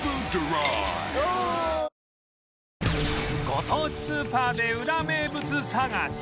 ご当地スーパーでウラ名物探し